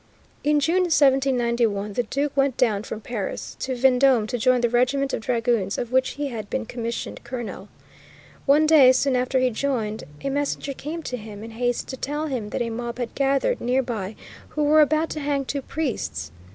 In June, 1791, the Duke went down from Paris to Vendôme to join the regiment of dragoons of which he had been commissioned colonel. One day, soon after he joined, a messenger came to him in haste to tell him that a mob had gathered near by who were about to hang two priests.